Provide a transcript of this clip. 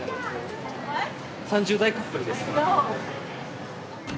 ３０代カップルです。